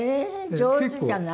上手じゃない？